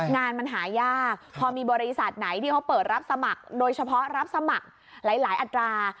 งานมันหายากพอมีบริษัทไหนที่เขาเปิดรับสมัครโดยเฉพาะรับสมัครหลายอัตรา